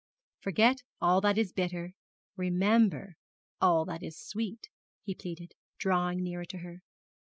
'Forget all that is bitter, remember all that is sweet!' he pleaded, drawing nearer to her.